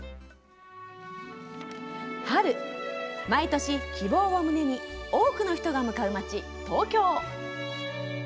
毎年、希望を胸に多くの人が向かう街、東京。